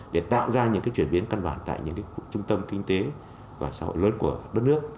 để tạo ra những chuyển biến căn bản tại những trung tâm kinh tế và xã hội lớn của đất nước